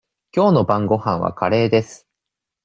きょうの晩ごはんはカレーです。